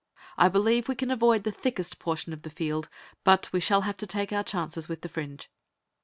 I believe we can avoid the thickest portion of the field, but we shall have to take our chances with the fringe."